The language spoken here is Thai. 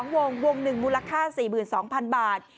วงวง๑มูลค่า๔๒๐๐๐บาท